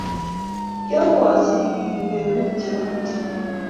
Kialwon sigik kweyonik che ameche